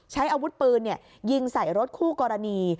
ใช้อาวุธปืนยิงใส่รถคู่กรณี